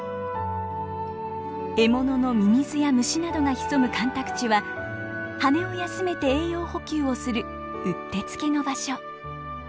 獲物のミミズや虫などが潜む干拓地は羽を休めて栄養補給をするうってつけの場所。